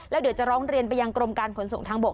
แล้วเดี๋ยวจะร้องเรียนไปยังกรมการขนส่งทางบก